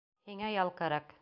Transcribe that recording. Һиңә ял кәрәк.